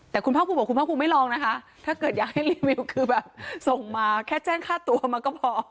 แต่คุณพระคุกบอกคุณพระคุกไม่ลองนะคะถ้าเกิดอยากให้รีวิวคือส่งมาแค่แจ้งค่าตัวมาก็พอ